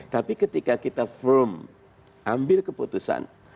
tapi ketika kita firm ambil keputusan